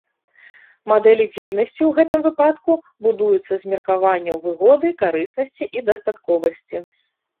Мадэлі дзейнасці ў гэтым выпадку будуюцца з меркаванняў выгоды, карыснасці і дастатковасці.